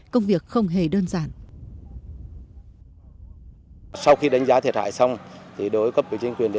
công việc không hề đơn giản